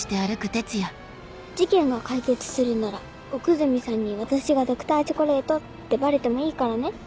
事件が解決するなら奥泉さんに私がＤｒ．チョコレートってバレてもいいからね。